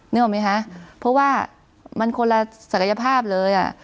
นึกออกไหมคะเพราะว่ามันคนละศักยภาพเลยอ่ะ